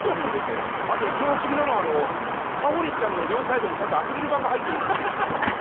あと一番不思議なのはぱほりんちゃんの両サイドにちゃんとアクリル板が入ってるという。